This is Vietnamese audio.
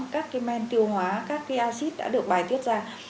các cái men tiêu hóa các cái acid đã được bài tiết ra